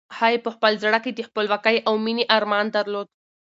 هغې په خپل زړه کې د خپلواکۍ او مېنې ارمان درلود.